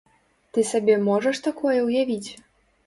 Ты сабе можаш такое ўявіць?